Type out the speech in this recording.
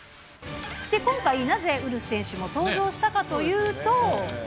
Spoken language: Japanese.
今回、なぜウルフ選手が登場したかというと。